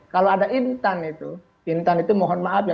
kalau ada intan itu intan itu mohon maaf ya